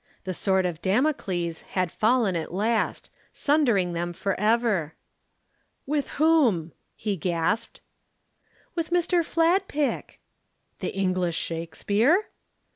The sword of Damocles had fallen at last, sundering them forever. "With whom?" he gasped. "With Mr. Fladpick!" "The English Shakespeare?"